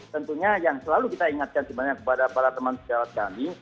tentunya yang selalu kita ingatkan sebenarnya kepada para teman sejawat kami